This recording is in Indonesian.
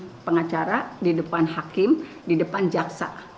di pengacara di depan hakim di depan jaksa